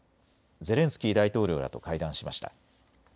ゼレンスキー大統領らと会談しました。